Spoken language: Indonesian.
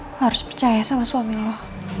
lo harus percaya sama suami lo